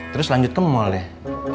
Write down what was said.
terus lanjut ke mall deh